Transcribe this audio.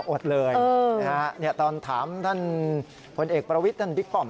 โอดเลยตอนถามผลเอกประวิทย์พิกปอม